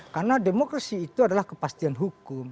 karena demokrasi itu adalah kepastian hukum